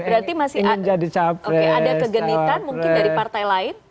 berarti masih ada kegenitan mungkin dari partai lain